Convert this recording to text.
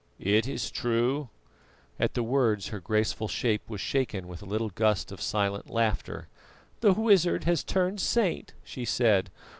"It is true." At the words her graceful shape was shaken with a little gust of silent laughter. "The wizard has turned saint," she said.